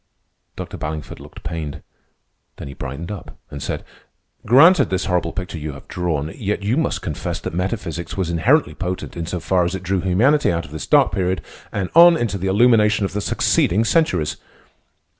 Dr. Ballingford looked pained, then he brightened up and said: "Granted this horrible picture you have drawn, yet you must confess that metaphysics was inherently potent in so far as it drew humanity out of this dark period and on into the illumination of the succeeding centuries."